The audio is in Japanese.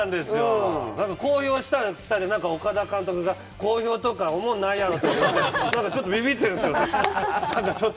公表したらしたで、岡田監督が公表とか、おもんないやろとかって、ちょっとびびっているんですよ。